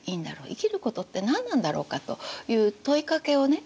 生きることって何なんだろうかという問いかけをね